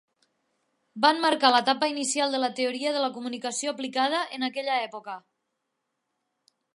Van marcar l"etapa inicial de la teoria de la comunicació aplicada en aquella època.